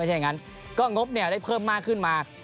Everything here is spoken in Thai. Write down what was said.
ไม่ใช่อย่างงั้นก็งบเนี่ยได้เพิ่มมากขึ้นมา